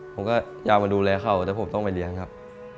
ผมก็อยากมาดูแลเขาแต่ผมต้องไปเลี้ยงครับ